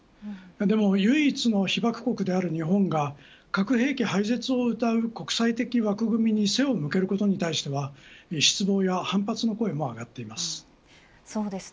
でも唯一の被爆国である日本が核兵器廃絶をうたう国際的枠組みに背を向けることに対しては失望や反発の声も上がっています。